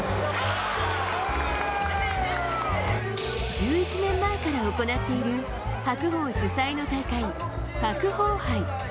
１１年前から行っている白鵬主催の大会、白鵬杯。